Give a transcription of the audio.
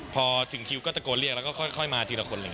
พอถึงคิวก็ตะโกนเรียกแล้วก็ค่อยมาทีละคนเลย